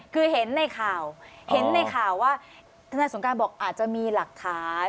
คือเห็นในข่าวเห็นในข่าวว่าทนายสงการบอกอาจจะมีหลักฐาน